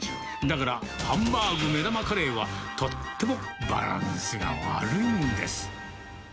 だから、ハンバーグ目玉カレーはとってもバランスが悪いんです。